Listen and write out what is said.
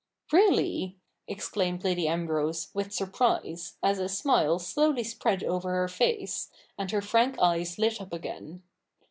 ' Really !' exclaimed Lady Ambrose, with surprise, as a smile slowly spread over her face, and her frank eyes lit up again.